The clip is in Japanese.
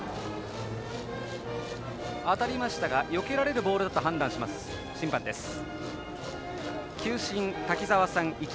当たりましたがよけられるボールだと判断した審判でした。